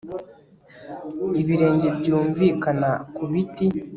ibirenge byumvikana ku biti